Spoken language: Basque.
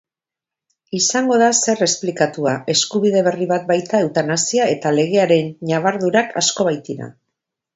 Izango da zer esplikatua, eskubide berri bat baita eutanasia, eta legearen ñabardurak asko baitira